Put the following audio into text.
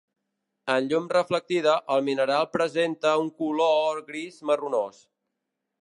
En llum reflectida el mineral presenta un color gris marronós.